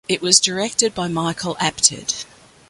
It was directed by Michael Apted.